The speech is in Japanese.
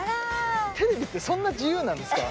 テレビってそんな自由なんですか？